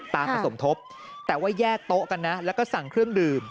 มาผสมทบแต่ว่าแยกโต๊ะกันนะแล้วก็สั่งเครื่องดื่ม